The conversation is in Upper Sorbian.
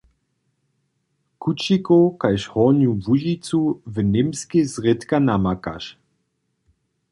Kućikow kaž Hornju Łužicu w Němskej zrědka namakaš.